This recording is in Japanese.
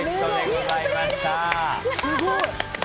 すごい！